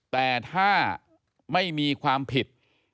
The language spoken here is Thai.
แต่ถ้าไม่มีความผิด